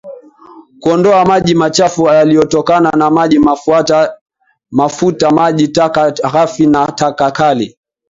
Kuondoa maji machafu yaliyotokana na maji mafuta maji taka ghafi na taka kali